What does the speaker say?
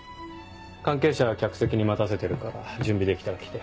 関係者客席に待たせてるから準備できたら来て。